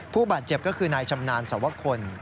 ผู้บาดเจ็บก็คือนายชำนาญสวคล